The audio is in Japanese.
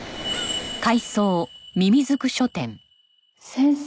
先生？